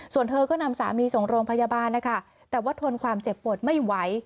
ส่วนเธอก็นำสามีส่งโรงพยาบาลนะคะแต่ว่าทนความเจ็บปวดไม่ไหว